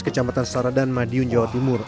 kecamatan saradan madiun jawa timur